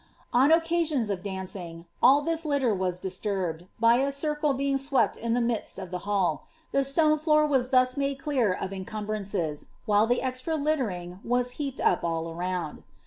On occasions of dancing, all this litter was disturbed, by a circle being swept in the midst of the hall ; the stone floor was thus nuuie clear of incumbrances, while the extra littering was heaped up all round.